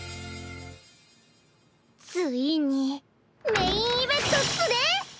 ついにメインイベントっスね！